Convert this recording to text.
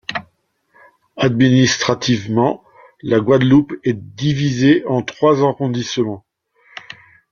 Administrativement, la Guadeloupe est divisée en trois arrondissements.